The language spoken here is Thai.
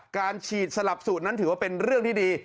การฉีดสลับสูตรนั้นถือว่าเป็นเรื่องที่ดี